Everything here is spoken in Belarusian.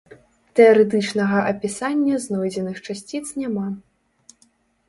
Тэарэтычнага апісання знойдзеных часціц няма.